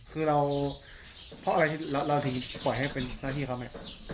คือเราเพราะอะไรเราถึงจะปล่อยให้เป็นหน้าที่เขาไหม